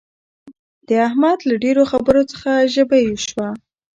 د احمد له ډېرو خبرو څخه ژبۍ شوه.